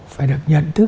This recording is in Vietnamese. phải được nhận